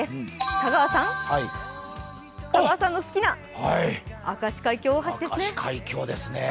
香川さんの好きな明石海峡大橋ですね。